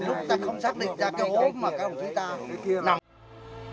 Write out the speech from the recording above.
lúc ta không xác định ra cái hố mà các đồng chí ta